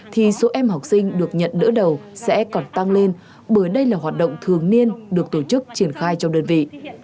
thì số em học sinh được nhận đỡ đầu sẽ còn tăng lên bởi đây là hoạt động thường niên được tổ chức triển khai trong đơn vị